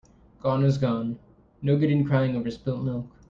Gone is gone. No good in crying over spilt milk.